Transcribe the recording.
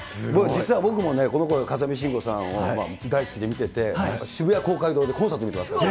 実は僕もね、このころの風見しんごさんを大好きで見てて、やっぱり渋谷公会堂でコンサートまで見てますから。